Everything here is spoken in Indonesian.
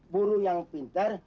burung yang pinter